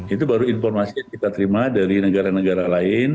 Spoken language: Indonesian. itu baru informasi yang kita terima dari negara negara lain